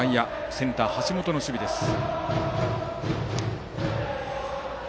センター、橋本の守備でした。